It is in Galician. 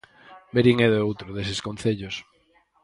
Verín é outro deses concellos.